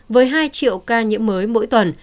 với hai triệu ca nhiễm mới mỗi tuần